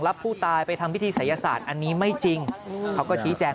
รับผู้ตายไปทำพิธีศัยศาสตร์อันนี้ไม่จริงเขาก็ชี้แจง